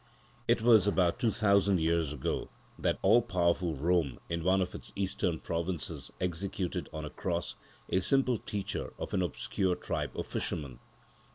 It was about two thousand years ago that all powerful Rome in one of its eastern provinces executed on a cross a simple teacher of an obscure tribe of fishermen.